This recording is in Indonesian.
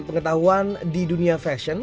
pengetahuan di dunia fashion